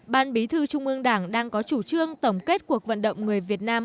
ban bí thư trung ương đảng đang có chủ trương tổng kết cuộc vận động người việt nam